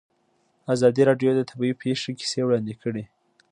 ازادي راډیو د طبیعي پېښې کیسې وړاندې کړي.